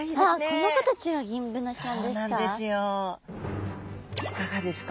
この子たちがギンブナちゃんですか？